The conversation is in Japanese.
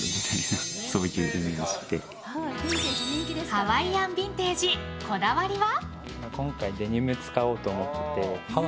ハワイアンビンテージこだわりは？